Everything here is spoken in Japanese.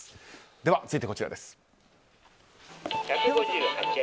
では、続いてこちらです。